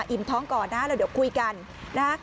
อิ่มท้องก่อนนะแล้วเดี๋ยวคุยกันนะ